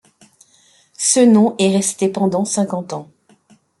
Ce nom est resté pendant cinquante ans.